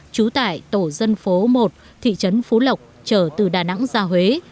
chú tải tổ dân phố một thị trấn phú lộc chở từ đà nẵng ra huế